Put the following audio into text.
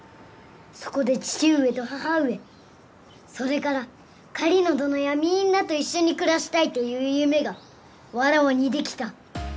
そこで父上と母上それから狩野どのやみんなと一緒に暮らしたいという夢がわらわにできた。